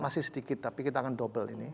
masih sedikit tapi kita akan double ini